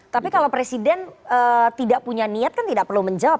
tapi kalau presiden tidak punya niat kan tidak perlu menjawab